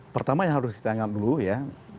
pertama yang harus kita ingat dulu ya